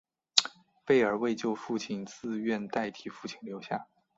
贝儿为救出父亲自愿代替父亲留下。